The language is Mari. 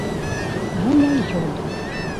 Аля йодо: